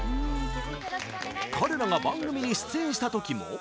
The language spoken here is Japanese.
彼らが番組に出演したときも。